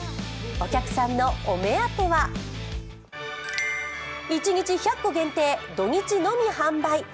お客さんのお目当ては１日１００個限定、土日のみ販売